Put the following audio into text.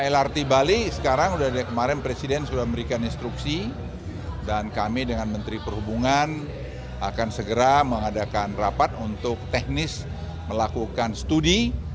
lrt bali sekarang sudah dari kemarin presiden sudah memberikan instruksi dan kami dengan menteri perhubungan akan segera mengadakan rapat untuk teknis melakukan studi